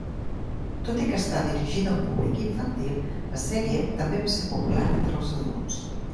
Tot i que està dirigida a un públic infantil, la sèrie també va ser popular entre els adults.